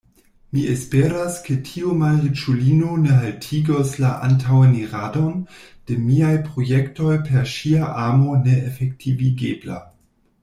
Mi esperas, ke tiu malriĉulino ne haltigos la antaŭeniradon de miaj projektoj per ŝia amo neefektivigebla.